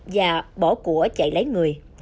và bỏ của chạy lấy người